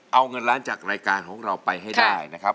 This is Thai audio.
เอาเงินล้านจากรายการของเราไปให้ได้นะครับ